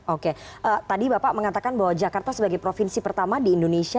oke tadi bapak mengatakan bahwa jakarta sebagai provinsi pertama di indonesia